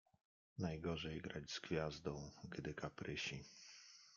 Najgorzej grać z gwiazdą, gdy kaprysi.